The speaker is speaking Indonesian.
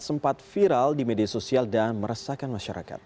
sempat viral di media sosial dan meresahkan masyarakat